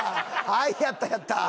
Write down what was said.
はいやったやった。